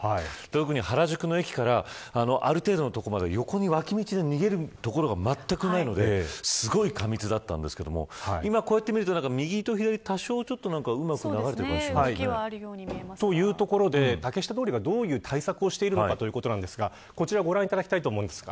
特に原宿の駅からある程度の所まで、脇道に逃げる所がまったくないのですごい過密だったんですけど今こうやって見ると右と左で多少うまく流れているようですね。というところで竹下通りが、どういう対策をしているかというと、こちらです。